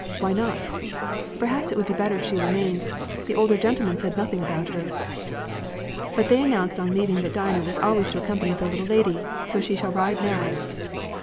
"Why not?" "Perhaps it would be better if she remained. The older gentlemen said nothing about her." "But they announced on leaving that Dinah was always to accompany the little lady. So she shall ride now."